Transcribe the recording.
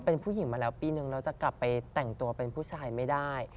เราจะกลับไปแต่งตัวเป็นผู้ชายไม่ได้